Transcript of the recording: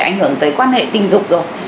ảnh hưởng tới quan hệ tình dục rồi